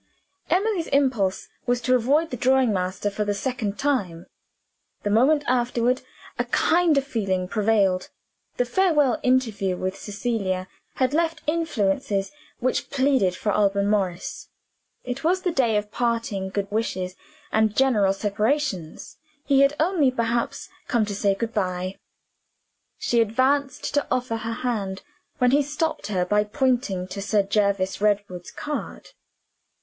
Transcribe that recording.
Emily's impulse was to avoid the drawing master for the second time. The moment afterward, a kinder feeling prevailed. The farewell interview with Cecilia had left influences which pleaded for Alban Morris. It was the day of parting good wishes and general separations: he had only perhaps come to say good by. She advanced to offer her hand, when he stopped her by pointing to Sir Jervis Redwood's card.